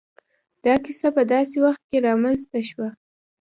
دا کيسه په داسې وخت کې را منځ ته شوه.